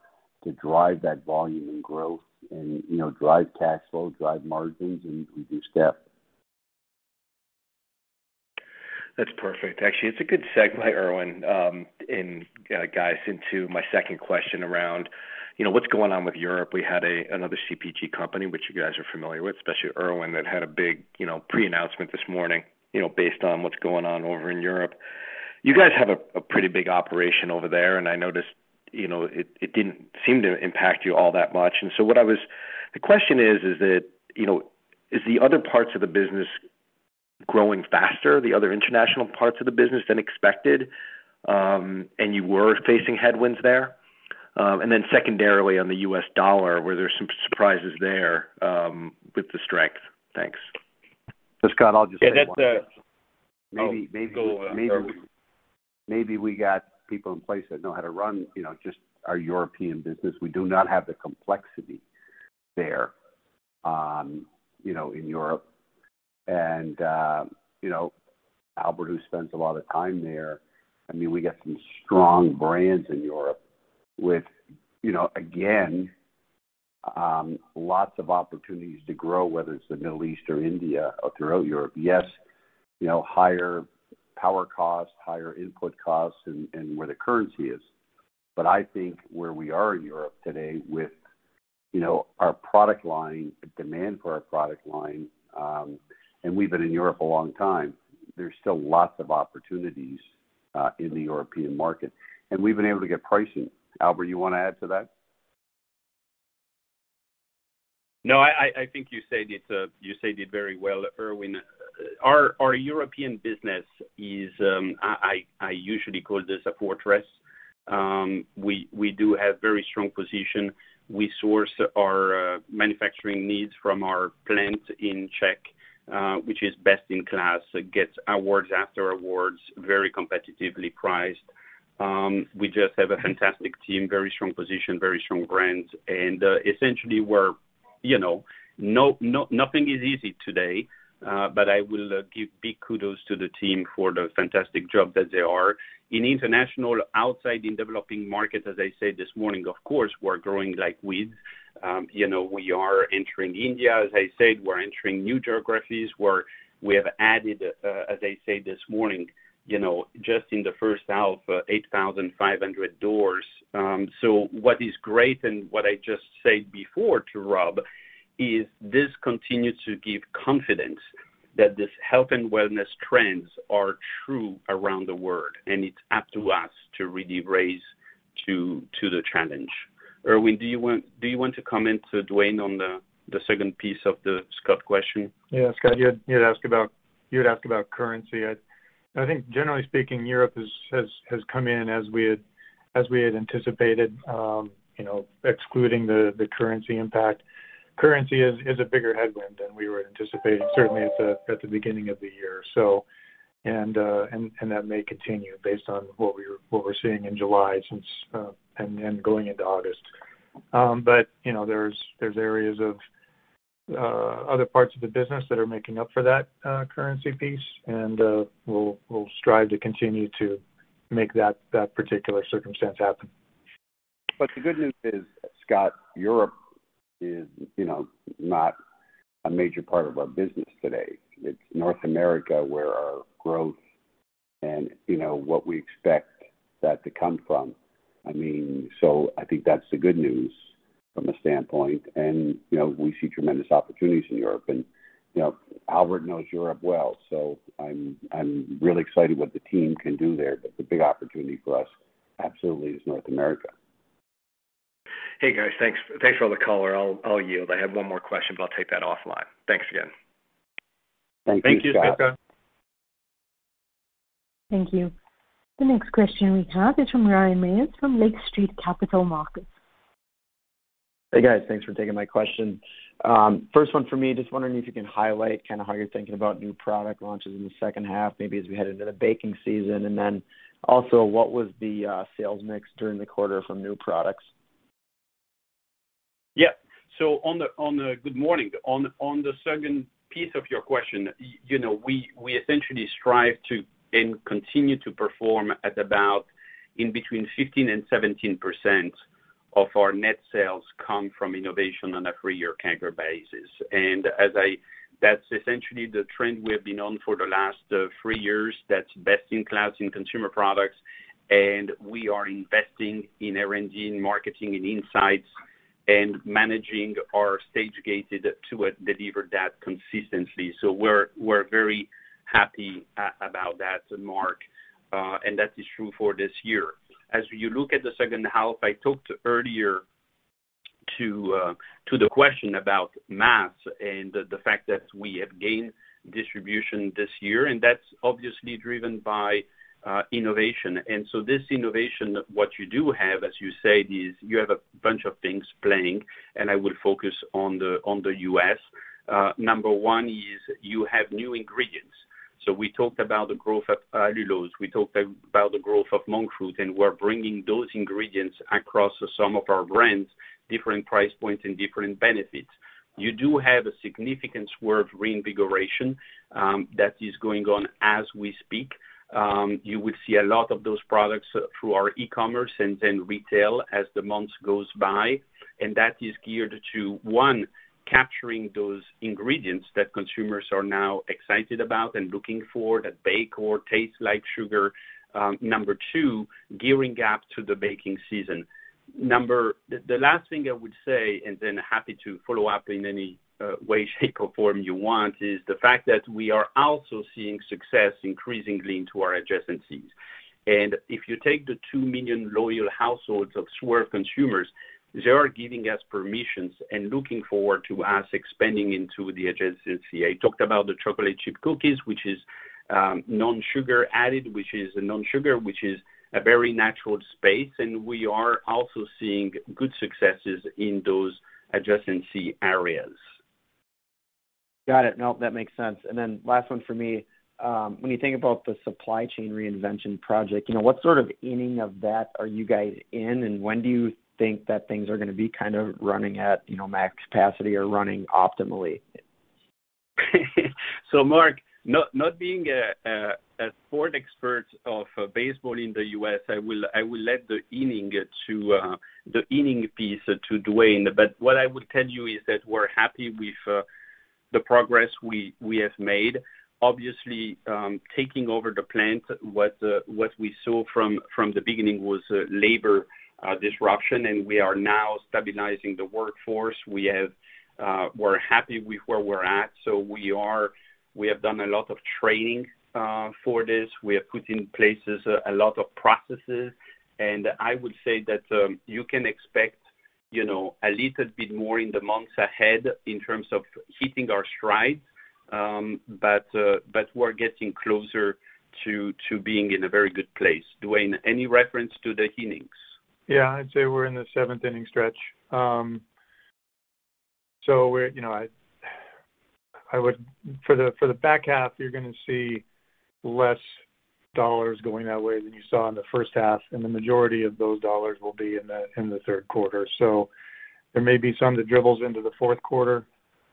S8: to drive that volume and growth and, you know, drive cash flow, drive margins, and reduce debt.
S7: That's perfect. Actually, it's a good segue, Irwin, and guys, into my second question around, you know, what's going on with Europe. We had another CPG company which you guys are familiar with, especially Irwin, that had a big, you know, pre-announcement this morning, you know, based on what's going on over in Europe. You guys have a pretty big operation over there, and I noticed, you know, it didn't seem to impact you all that much. The question is it, you know, is the other parts of the business growing faster, the other international parts of the business than expected, and you were facing headwinds there? Then secondarily on the U.S. dollar, were there some surprises there with the strength? Thanks.
S8: Scott, I'll just add one thing.
S3: Yeah, that's.
S8: Maybe-
S3: Oh, go, Irwin.
S8: Maybe we got people in place that know how to run, you know, just our European business. We do not have the complexity there, you know, in Europe. You know, Albert, who spends a lot of time there, I mean, we got some strong brands in Europe with, you know, again, lots of opportunities to grow, whether it's the Middle East or India or throughout Europe. Yes, you know, higher power costs, higher input costs and where the currency is. But I think where we are in Europe today with, you know, our product line, the demand for our product line, and we've been in Europe a long time, there's still lots of opportunities in the European market, and we've been able to get pricing. Albert, you wanna add to that?
S3: No, I think you said it very well, Irwin. Our European business is, I usually call this a fortress. We do have very strong position. We source our manufacturing needs from our plant in Czech, which is best in class. It gets awards after awards, very competitively priced. We just have a fantastic team, very strong position, very strong brands, and essentially we're, you know, nothing is easy today, but I will give big kudos to the team for the fantastic job that they are. In international, outside in developing markets, as I said this morning, of course, we're growing like weeds. You know, we are entering India, as I said, we're entering new geographies, we have added, as I said this morning, you know, just in the first half, 8,500 doors. So what is great and what I just said before to Rob is this continues to give confidence that this health and wellness trends are true around the world, and it's up to us to really rise to the challenge. Irwin, do you want to comment to Duane on the second piece of the Scott question?
S4: Yeah. Scott, you had asked about currency. I think generally speaking, Europe has come in as we had anticipated, you know, excluding the currency impact. Currency is a bigger headwind than we were anticipating, certainly at the beginning of the year. That may continue based on what we're seeing in July and going into August. You know, there's areas of Other parts of the business that are making up for that currency piece, and we'll strive to continue to make that particular circumstance happen.
S8: The good news is, Scott, Europe is, you know, not a major part of our business today. It's North America where our growth and, you know, what we expect that to come from. I mean, I think that's the good news from a standpoint. You know, we see tremendous opportunities in Europe, and, you know, Albert knows Europe well, so I'm really excited what the team can do there. The big opportunity for us absolutely is North America.
S7: Hey, guys. Thanks for the color. I'll yield. I have one more question, but I'll take that offline. Thanks again.
S8: Thank you, Scott.
S3: Thank you, Scott.
S1: Thank you. The next question we have is from Ryan Meyers from Lake Street Capital Markets.
S9: Hey, guys. Thanks for taking my question. First one for me, just wondering if you can highlight kind of how you're thinking about new product launches in the second half, maybe as we head into the baking season? Then also what was the sales mix during the quarter from new products?
S3: Good morning. On the second piece of your question, you know, we essentially strive to and continue to perform at about 15%-17% of our net sales come from innovation on a three-year CAGR basis. That's essentially the trend we have been on for the last three years. That's best in class in consumer products, and we are investing in R&D and marketing and insights and managing our stage gated to deliver that consistently. We're very happy about that, Mark. That is true for this year. As you look at the second half, I talked earlier to the question about mass and the fact that we have gained distribution this year, and that's obviously driven by innovation. This innovation, what you do have, as you said, is you have a bunch of things playing, and I will focus on the U.S. Number one is you have new ingredients. We talked about the growth of allulose, we talked about the growth of monk fruit, and we're bringing those ingredients across some of our brands, different price points and different benefits. You do have a significant Swerve reinvigoration that is going on as we speak. You will see a lot of those products through our e-commerce and then retail as the months goes by. That is geared to, one, capturing those ingredients that consumers are now excited about and looking for that bake or taste like sugar. Number two, gearing up to the baking season. The last thing I would say, and then happy to follow up in any way, shape, or form you want, is the fact that we are also seeing success increasingly into our adjacencies. If you take the 2 million loyal households of Swerve consumers, they are giving us permissions and looking forward to us expanding into the adjacency. I talked about the chocolate chip cookies, which is no sugar added, which is a very natural space, and we are also seeing good successes in those adjacency areas.
S9: Got it. No, that makes sense. Last one for me. When you think about the Supply Chain Reinvention project, you know, what sort of inning of that are you guys in, and when do you think that things are gonna be kind of running at, you know, max capacity or running optimally?
S3: Mark, not being a sport expert of baseball in the US, I will let the inning piece to Duane. What I will tell you is that we're happy with the progress we have made. Obviously, taking over the plant, what we saw from the beginning was labor disruption, and we are now stabilizing the workforce. We're happy with where we're at. We have done a lot of training for this. We have put in place a lot of processes, and I would say that you can expect, you know, a little bit more in the months ahead in terms of hitting our stride. We're getting closer to being in a very good place. Duane, any reference to the innings? Yeah, I'd say we're in the seventh inning stretch. For the back half, you're gonna see less dollars going that way than you saw in the first half, and the majority of those dollars will be in the third quarter. There may be some that dribbles into the fourth quarter,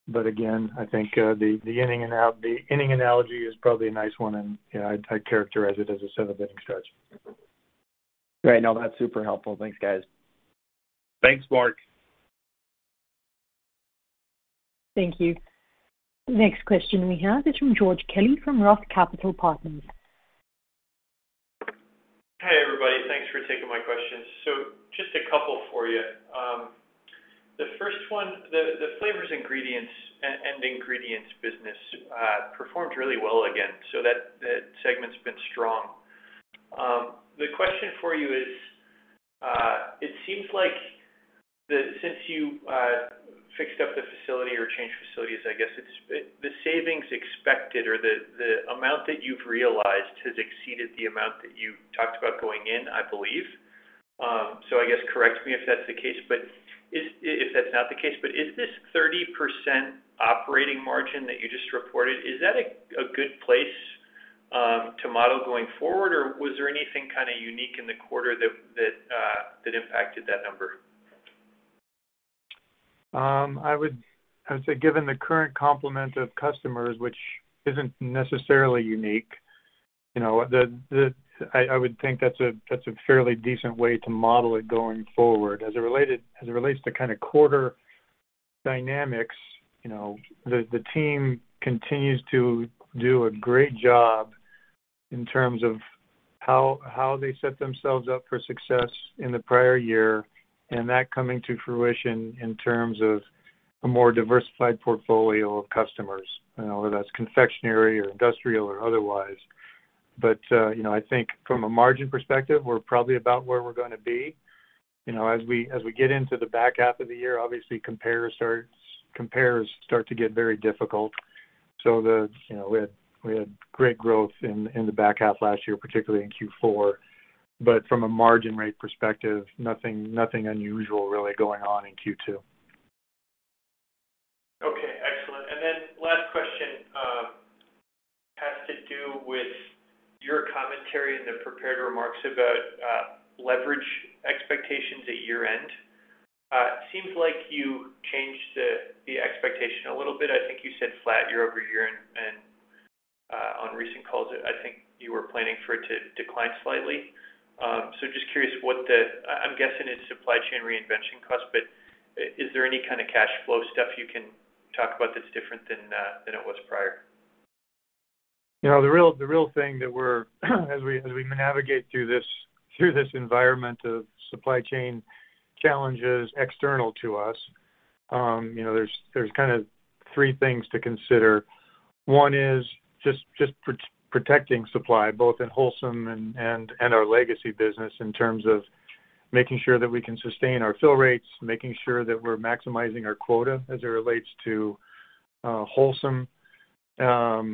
S3: but again, I think the inning analogy is probably a nice one, and I'd characterize it as a seventh inning stretch.
S9: Great. No, that's super helpful. Thanks, guys.
S8: Thanks, Ryan.
S1: Thank you. Next question we have is from George Kelly from Roth Capital Partners.
S10: Hey, everybody. Thanks for taking my questions. Just a couple for you. The first one, the flavors, ingredients, and ingredients business performed really well again, so that segment's been strong. The question for you is, it seems like since you fixed up the facility or changed facilities, I guess it's the savings expected or the amount that you've realized has exceeded the amount that you talked about going in, I believe. I guess correct me if that's the case, but if that's not the case, but is this 30% operating margin that you just reported, is that a good place to model going forward, or was there anything kind of unique in the quarter that impacted that number?
S4: I would say, given the current complement of customers, which isn't necessarily unique, you know, I would think that's a fairly decent way to model it going forward. As it relates to kind of quarter dynamics, you know, the team continues to do a great job in terms of how they set themselves up for success in the prior year, and that coming to fruition in terms of a more diversified portfolio of customers, you know, whether that's confectionery or industrial or otherwise. I think from a margin perspective, we're probably about where we're gonna be. You know, as we get into the back half of the year, obviously comparisons start to get very difficult. You know, we had great growth in the back half last year, particularly in Q4. From a margin rate perspective, nothing unusual really going on in Q2.
S10: Okay, excellent. Last question has to do with your commentary in the prepared remarks about leverage expectations at year-end. It seems like you changed the expectation a little bit. I think you said flat year-over-year and on recent calls, I think you were planning for it to decline slightly. Just curious. I'm guessing it's Supply Chain Reinvention cost, but is there any kind of cash flow stuff you can talk about that's different than it was prior?
S4: You know, the real thing that we're, as we navigate through this environment of supply chain challenges external to us, you know, there's kind of three things to consider. One is just protecting supply, both in Wholesome and our legacy business in terms of making sure that we can sustain our fill rates, making sure that we're maximizing our quota as it relates to Wholesome. That's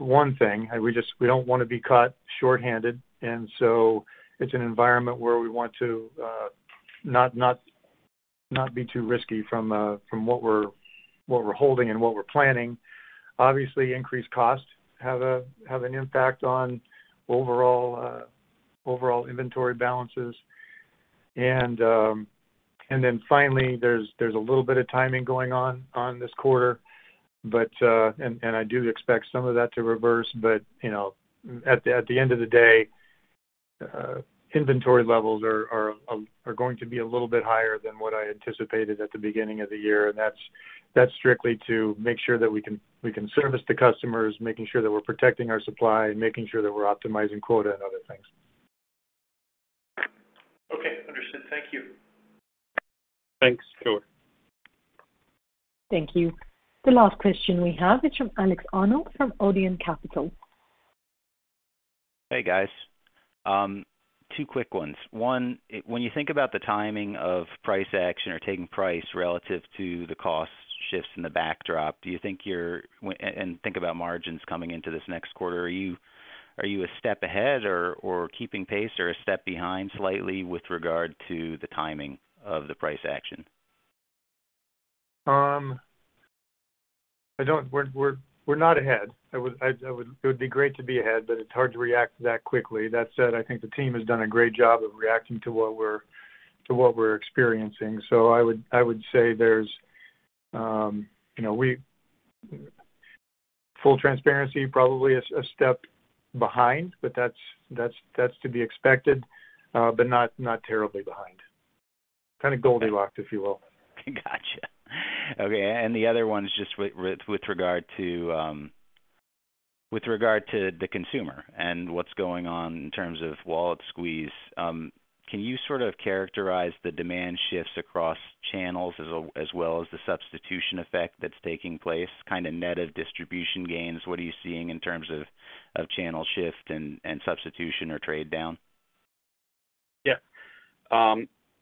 S4: one thing. We don't wanna be caught short-handed, and so it's an environment where we want to not be too risky from what we're holding and what we're planning. Obviously, increased costs have an impact on overall inventory balances. Then finally, there's a little bit of timing going on in this quarter, but I do expect some of that to reverse. You know, at the end of the day, inventory levels are going to be a little bit higher than what I anticipated at the beginning of the year. That's strictly to make sure that we can service the customers, making sure that we're protecting our supply, making sure that we're optimizing quota and other things.
S10: Okay. Understood. Thank you.
S4: Thanks. Sure.
S1: Thank you. The last question we have is from Alex Arnold from Odeon Capital.
S11: Hey, guys. Two quick ones. One, when you think about the timing of price action or taking price relative to the cost shifts in the backdrop, think about margins coming into this next quarter. Are you a step ahead or keeping pace or a step behind slightly with regard to the timing of the price action?
S4: We're not ahead. It would be great to be ahead, but it's hard to react that quickly. That said, I think the team has done a great job of reacting to what we're experiencing. I would say there's, you know, full transparency, probably a step behind, but that's to be expected, but not terribly behind. Kinda Goldilocks, if you will.
S11: Gotcha. Okay. The other one is just with regard to the consumer and what's going on in terms of wallet squeeze. Can you sort of characterize the demand shifts across channels as well as the substitution effect that's taking place, kind of net of distribution gains? What are you seeing in terms of channel shift and substitution or trade down?
S3: Yeah.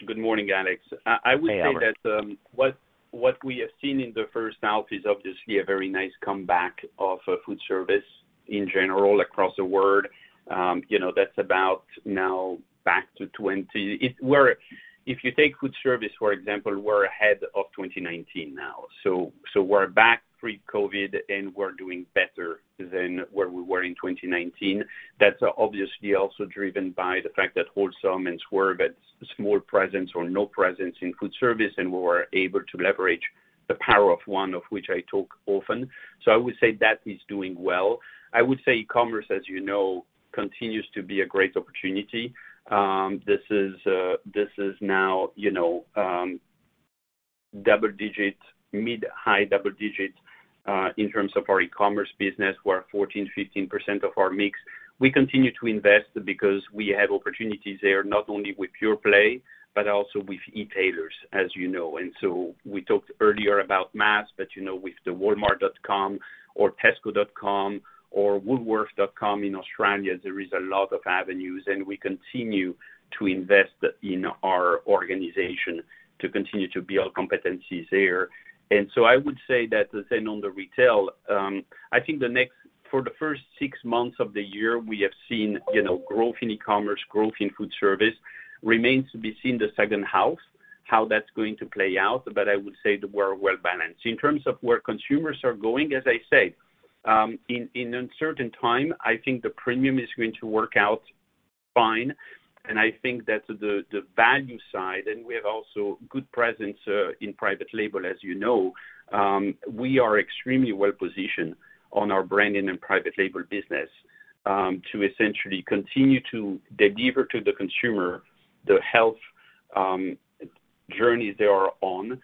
S3: Good morning, Alex.
S11: Hey, Albert.
S3: I would say that what we have seen in the first half is obviously a very nice comeback of food service in general across the world. You know, that's about now back to 20. If you take food service, for example, we're ahead of 2019 now. We're back pre-COVID, and we're doing better than where we were in 2019. That's obviously also driven by the fact that Wholesome and Swerve had small presence or no presence in food service, and we were able to leverage the Power of One, of which I talk often. I would say that is doing well. I would say commerce, as you know, continues to be a great opportunity. This is now, you know, double digits, mid, high double digits, in terms of our e-commerce business, we're 14%-15% of our mix. We continue to invest because we have opportunities there, not only with pure play, but also with e-tailers, as you know. We talked earlier about mass, but, you know, with the Walmart.com or Tesco.com or Woolworths.com in Australia, there is a lot of avenues, and we continue to invest in our organization to continue to build competencies there. I would say that the same on the retail, I think for the first six months of the year, we have seen, you know, growth in e-commerce, growth in food service remains to be seen the second half. How that's going to play out, but I would say that we're well-balanced. In terms of where consumers are going, as I say, in uncertain time, I think the premium is going to work out fine, and I think that the value side, and we have also good presence in private label, as you know. We are extremely well-positioned on our branding and private label business to essentially continue to deliver to the consumer the health journey they are on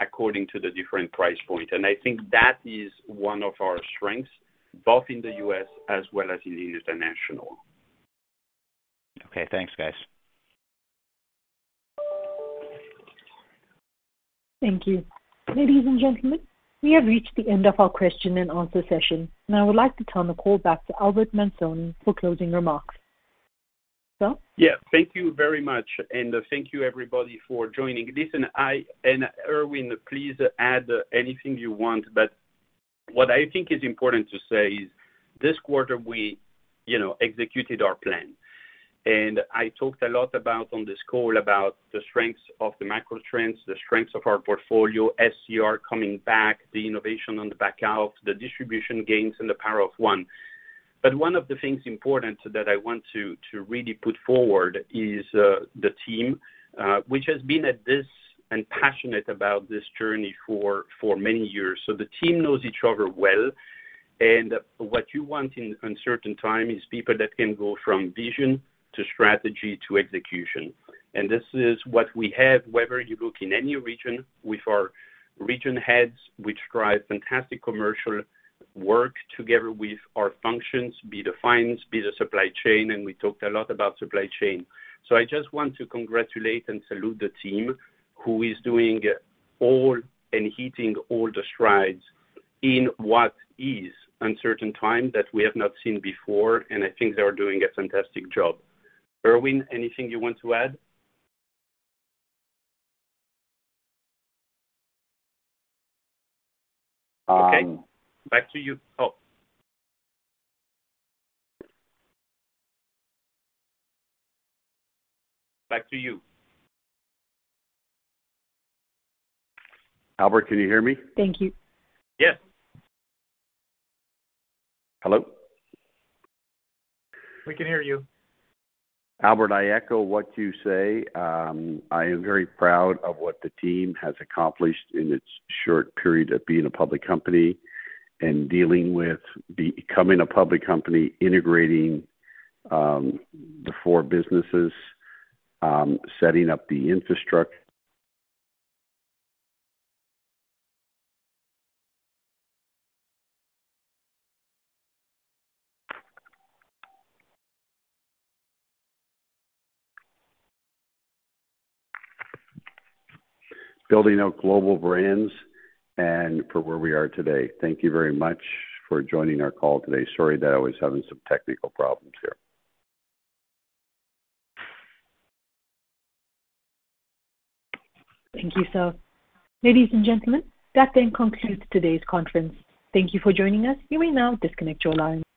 S3: according to the different price point. I think that is one of our strengths, both in the U.S. as well as in the international.
S11: Okay, thanks, guys.
S1: Thank you. Ladies and gentlemen, we have reached the end of our question and answer session, and I would like to turn the call back to Albert Manzone for closing remarks. Sir?
S3: Yeah. Thank you very much, and thank you, everybody, for joining this. Irwin, please add anything you want, but what I think is important to say is this quarter we executed our plan. I talked a lot about, on this call, about the strengths of the macro trends, the strengths of our portfolio, SCR coming back, the innovation on the back half, the distribution gains, and the Power of One. But one of the things important that I want to really put forward is the team, which has been at this and passionate about this journey for many years. The team knows each other well, and what you want in uncertain time is people that can go from vision to strategy to execution. This is what we have, whether you look in any region with our region heads, which drive fantastic commercial work together with our functions, be the finance, be the supply chain, and we talked a lot about supply chain. I just want to congratulate and salute the team who is doing all and hitting all the strides in what is uncertain time that we have not seen before, and I think they are doing a fantastic job. Irwin, anything you want to add? Okay. Back to you. Oh. Back to you.
S8: Albert, can you hear me?
S1: Thank you.
S3: Yes.
S8: Hello?
S3: We can hear you.
S8: Albert, I echo what you say. I am very proud of what the team has accomplished in its short period of being a public company and dealing with becoming a public company, integrating the four businesses, setting up the infrastructure, building out global brands and for where we are today. Thank you very much for joining our call today. Sorry that I was having some technical problems here.
S1: Thank you, sir. Ladies and gentlemen, that concludes today's conference. Thank you for joining us. You may now disconnect your lines.